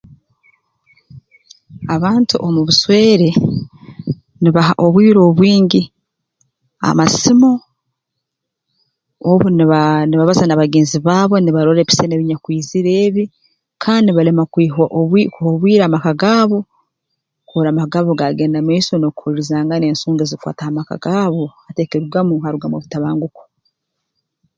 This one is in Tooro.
Abantu omu buswere nibaha obwire obwingi amasimu obu nibaa nibabaza na bagenzi baabo nibarora ebisani ebinyakwizire ebi kandi nibalema kwiha kuha obwi obwire amaka gaabo kurora amaka gaabo gagenda mu maiso n'okuhuliirizangana ensonga ezi kukwata ha maka gaabo hati ekirugamu harugamu obutabanguko